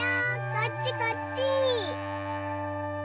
こっちこっち！